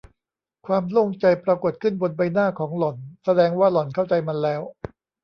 ความโล่งใจปรากฏขึ้นบนใบหน้าของหล่อน แสดงว่าหล่อนเข้าใจมันแล้ว